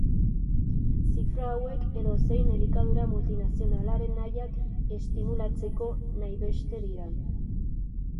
Zifra hauek edozein elikadura multinazionalaren nahiak estimulatzeko nahibeste dira.